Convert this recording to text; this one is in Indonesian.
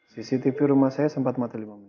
cctv rumah saya sempat mata lima menit